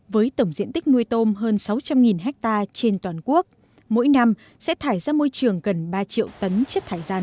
với tổng diện tích nuôi tôm hơn sáu trăm linh ha trên toàn quốc mỗi năm sẽ thải ra môi trường gần ba triệu tấn chất thải rắn